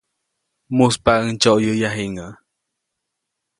Mujspaʼuŋ ndsyoʼyäya jiŋäʼ.